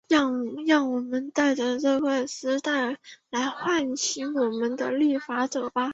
让我们戴着这丝带来唤醒我们的立法者吧。